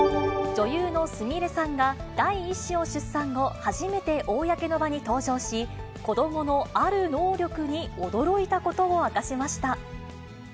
女優のすみれさんが、第１子を出産後、初めて公の場に登場し、子どものある能力に驚いたことを明かしました。